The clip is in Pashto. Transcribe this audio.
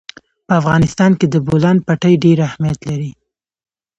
په افغانستان کې د بولان پټي ډېر اهمیت لري.